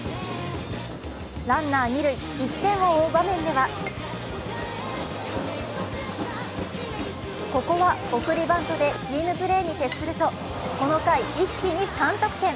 ランナー二塁、１点を追う場面ではここは送りバントでチームプレーに徹すると、この回、一気に３得点。